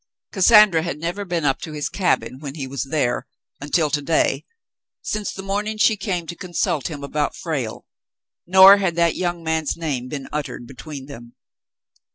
Cassandra had never been up to his cabin when he was there, until to day, since the morning she came to consult him about Frale, nor had that young man's name been uttered between them.